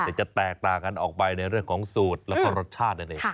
แต่จะแตกต่างกันออกไปในเรื่องของสูตรแล้วก็รสชาตินั่นเอง